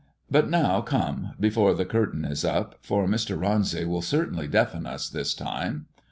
But now come before the curtain is up, for Mr. Ronsay will certainly deafen us this time."